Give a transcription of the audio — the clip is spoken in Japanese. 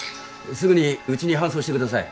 すぐにうちに搬送してください。